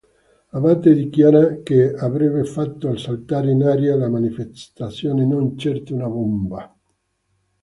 Abbate dichiara che a"vrebbe fatto saltare in aria la manifestazione, non certo una bomba".